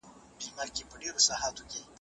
مرګه ستا په پسته غېږ کي له آرامه ګیله من یم